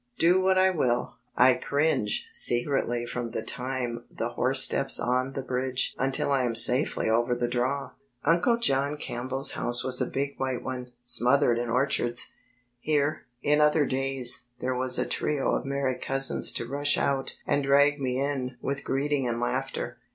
Do what I will, 1 cringe secredy from the time the horse steps on the bridge until I am safely over the draw. Uncle John Campbell's house was a big white one, smothered in orchards. Here, in odter days, there was a trio of merry cousins to rush out and drag me in with greeting and laughter.